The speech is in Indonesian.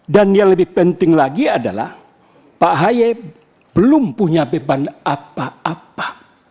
dan yang lebih penting lagi adalah pak ahaye belum punya beban apa apa